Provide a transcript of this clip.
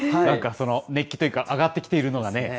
なんか、その熱気というか、上がってきているのがね。